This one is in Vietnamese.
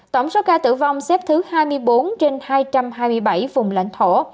tổng số ca tử vong xếp thứ hai mươi bốn trên hai trăm hai mươi bảy vùng lãnh thổ